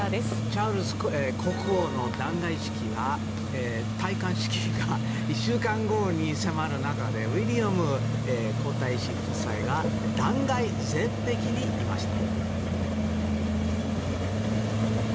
チャールズ国王の戴冠式が１週間後に迫る中でウィリアム皇太子夫妻が断崖絶壁にいました。